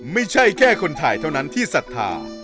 ไม่ใช่แค่คนถ่ายเท่านั้นที่ศรัทธา